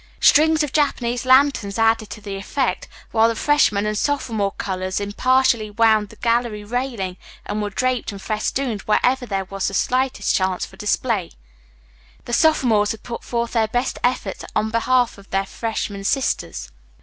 Strings of Japanese lanterns added to the effect, while the freshmen and sophomore colors impartially wound the gallery railing and were draped and festooned wherever there was the slightest chance for display. The sophomores had put forth their best efforts in behalf of their freshman sisters.